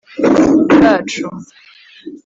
bwacu